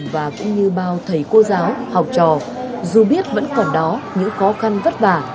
và cũng như bao thầy cô giáo học trò dù biết vẫn còn đó những khó khăn vất vả